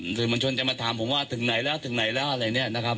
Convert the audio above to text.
สื่อมวลชนจะมาถามผมว่าถึงไหนแล้วถึงไหนแล้วอะไรเนี่ยนะครับ